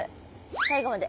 最後まで。